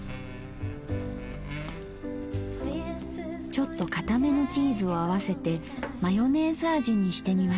ちょっとかためのチーズを合わせてマヨネーズ味にしてみました。